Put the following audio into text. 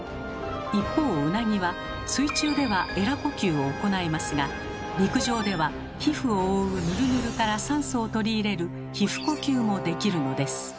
一方ウナギは水中ではエラ呼吸を行いますが陸上では皮膚を覆うヌルヌルから酸素を取り入れる「皮膚呼吸」もできるのです。